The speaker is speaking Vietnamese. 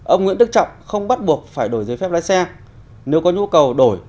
ông nguyễn đức trọng không bắt buộc phải đổi giấy phép lái xe nếu có nhu cầu đổi